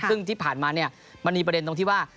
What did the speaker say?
ซึ่งที่ผ่านมาเนี่ยมันมีประเด็นตรงที่ว่า